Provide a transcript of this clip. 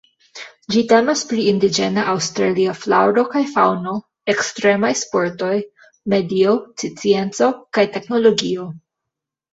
Ĝi temas pri indiĝena aŭstralia flaŭro kaj faŭno, ekstremaj sportoj, medio, scienco kaj teknologio.